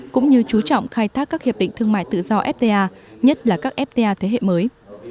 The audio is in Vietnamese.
cũng như chú trọng khai thác các hiệp định thương mại tự do fta nhất là các fta thế hệ mới